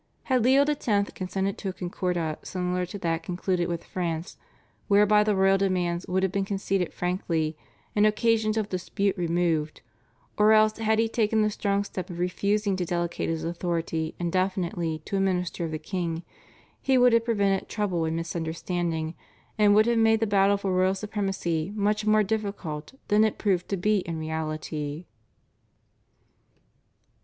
Had Leo X. consented to a concordat similar to that concluded with France, whereby the royal demands would have been conceded frankly and occasions of dispute removed, or else had he taken the strong step of refusing to delegate his authority indefinitely to a minister of the king, he would have prevented trouble and misunderstanding, and would have made the battle for royal supremacy much more difficult than it proved to be in reality.